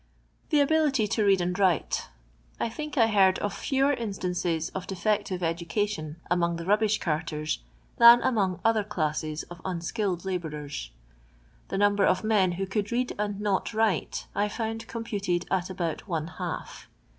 The Ahility to Head and WriU.— I think I heard of fewer instances of defective education among the rubbish carters than among other classes of unskilled labourers. The number of men who could read and not write, I found com puted at about one half.